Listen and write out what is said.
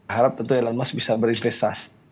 harap tentu elon musk bisa berinvestasi